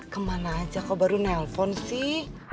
kemana aja kok baru nelpon sih